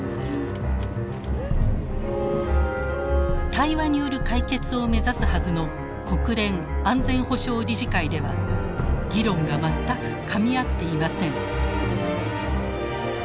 対話による解決を目指すはずの国連安全保障理事会では議論が全くかみ合っていません。